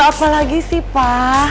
apalagi sih pa